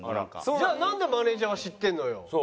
じゃあなんでマネージャーは知ってるのよ。